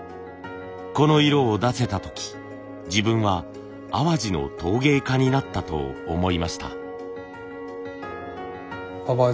この色を出せた時自分は淡路の陶芸家になったと思いました。